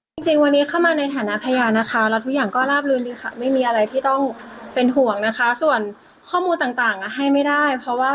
ไม่สงสัยเลยค่ะเพราะมั่นใจว่าไม่ได้มีอะไรน่าเป็นห่วงเรามาในฐานพยานด้วยค่ะ